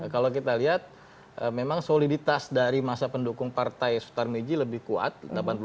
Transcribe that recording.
kalau kita lihat memang soliditas dari masa pendukung partai sutar miji lebih kuat